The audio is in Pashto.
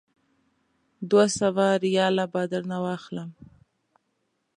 دوه سوه ریاله به درنه واخلم.